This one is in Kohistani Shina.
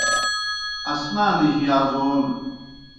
آسمانِجیْ یازون